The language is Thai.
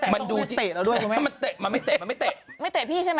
มันแค่แตะต้องมันจะเตะเราด้วยรู้ไหม